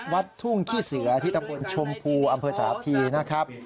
วัดทุ่งขี้เสือที่ตำบลชมพูอำเภอสาพีนะครับ